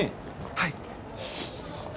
はい。